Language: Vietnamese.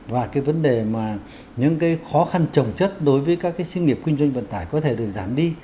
và cái vấn đề mà những cái khó khăn trồng chất đối với các cái xí nghiệp kinh doanh vận tải có thể được giảm đi